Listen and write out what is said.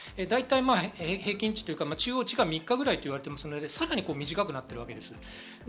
だいたい平均値というか、中央値が３日ぐらいと言われているので、さらに短くなっているわけです。